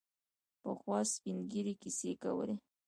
پخوا سپین ږیرو کیسې کولې.